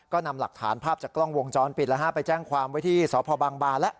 ก็นำหลักฐานภาพจากกล้องวงจรปิดแล้วฮะไปแจ้งความไว้ที่สพบางบานแล้ว